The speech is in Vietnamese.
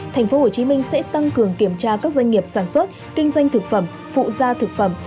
thành phố hồ chí minh sẽ tăng cường kiểm tra các doanh nghiệp sản xuất kinh doanh thực phẩm phụ gia thực phẩm